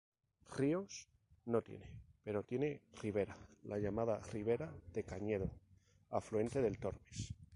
Ríos: No tiene, pero tiene ribera la llamada Ribera de Cañedo, afluente del Tormes.